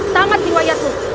tamat di wayatmu